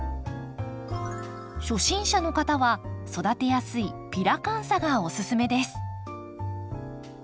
初心者の方は育てやすいピラカンサがおすすめです。